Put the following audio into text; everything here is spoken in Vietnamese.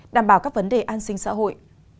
đảm bảo các vấn đề an sinh xã hội